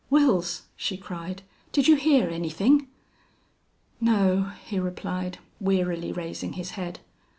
"Wils!" she cried. "Did you hear anything?" "No," he replied, wearily raising his head.